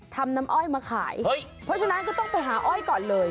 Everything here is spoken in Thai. ทำน้ำอ้อยมาขายเพราะฉะนั้นก็ต้องไปหาอ้อยก่อนเลย